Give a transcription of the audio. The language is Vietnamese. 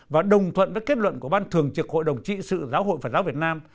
và đồng thuận với kết luận của ban thường trực hội đồng trị sự giáo hội phật giáo việt nam